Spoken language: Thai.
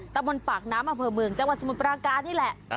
ตะบนปากน้ำอำเภอเมืองจังหวัดสมุทรปราการนี่แหละ